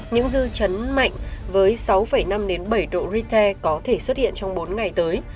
những dư trấn mạnh với sáu năm bảy độ ritae có thể xuất hiện trong bốn ngày tới